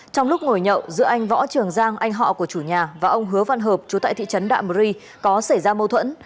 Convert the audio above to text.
trong lúc ngồi nhậu giữa anh võ trường giang anh họ của chủ nhà và ông hứa văn hợp chú tại thị trấn đạ mơ ri có xảy ra mâu thuẫn